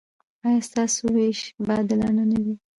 ایا ستاسو ویش به عادلانه نه وي؟